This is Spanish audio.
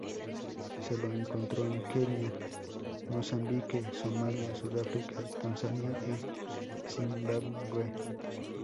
Se lo encuentra en Kenia, Mozambique, Somalia, Sudáfrica, Tanzania, y Zimbabwe.